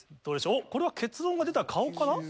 おっこれは結論が出た顔かな？